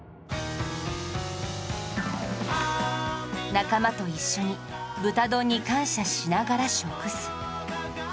仲間と一緒に豚丼に感謝しながら食す